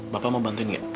bapak mau bantuin gak